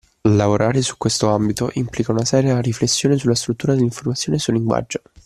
Lavorare su questo ambito implica una seria riflessione sulla struttura dell’informazione e sul linguaggio.